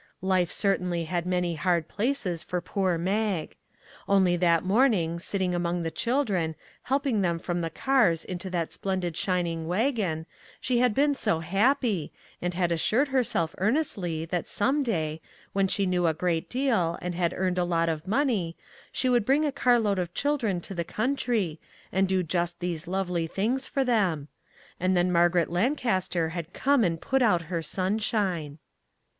Life certainly had many hard places for poor Mag. Only that morning, sitting among the children, helping them from the cars into that splendid shining wagon, she had been so happy, and had assured herself earnestly that some day, when she knew a great deal and had earned a lot of money, she would bring a carload of children to the country, and do just these lovely things for them; and then Margaret Lancaster had come and put out her sunshine.